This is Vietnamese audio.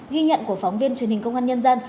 ghi nhận của phóng viên truyền hình công an nhân dân